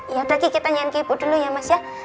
ya udah kiki kita nyanyi ibu dulu ya mas ya